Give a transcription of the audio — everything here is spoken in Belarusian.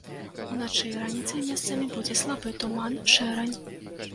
Уначы і раніцай месцамі будзе слабы туман, шэрань.